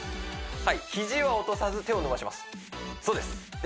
はい肘を落とさず手を伸ばしますそうですで